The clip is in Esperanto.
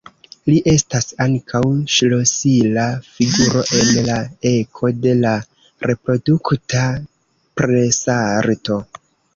Li estas ankaŭ ŝlosila figuro en la eko de la reprodukta presarto.